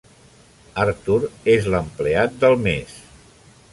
Arthur és l'empleat del mes.